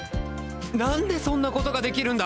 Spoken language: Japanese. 何でそんなことができるんだ